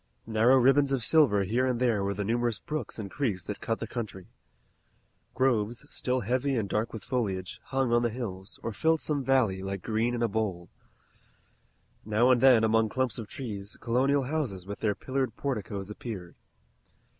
Narrow ribbons of silver here and there were the numerous brooks and creeks that cut the country. Groves, still heavy and dark with foliage, hung on the hills, or filled some valley, like green in a bowl. Now and then, among clumps of trees, colonial houses with their pillared porticoes appeared.